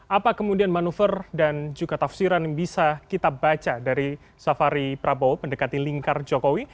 apa kemudian manuver dan juga tafsiran yang bisa kita baca dari safari prabowo mendekati lingkar jokowi